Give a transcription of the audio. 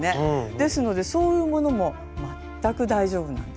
ですのでそういうものも全く大丈夫なんですね。